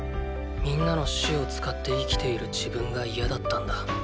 皆の死を使って生きている自分が嫌だったんだ。